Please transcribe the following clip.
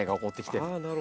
なるほど。